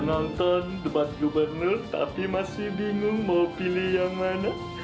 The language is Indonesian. nonton debat gubernur tapi masih bingung mau pilih yang mana